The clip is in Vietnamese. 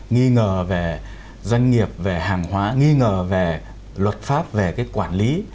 nghi ngờ về doanh nghiệp về hàng hóa nghi ngờ về luật pháp về cái quản lý